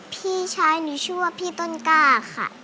พี่ชายหนูชื่อว่าพี่ต้นกล้าค่ะ